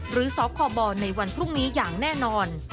สคบในวันพรุ่งนี้อย่างแน่นอน